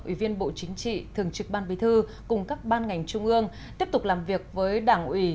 ủy viên bộ chính trị thường trực ban bí thư cùng các ban ngành trung ương tiếp tục làm việc với đảng ủy